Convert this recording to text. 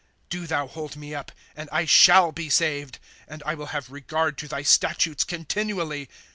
' Do thou hold me up, and I shall be saved ; And I will have regard to thy statutes continually.